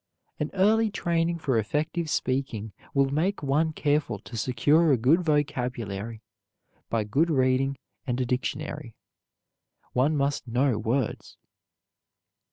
An early training for effective speaking will make one careful to secure a good vocabulary by good reading and a dictionary. One must know words.